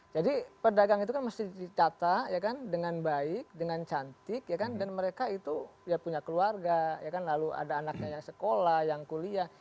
jadi perdagang itu kan mesti dicata ya kan dengan baik dengan cantik ya kan dan mereka itu punya keluarga ya kan lalu ada anaknya yang sekolah yang kuliah